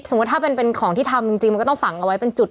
ถ้าเป็นของที่ทำจริงมันก็ต้องฝังเอาไว้เป็นจุด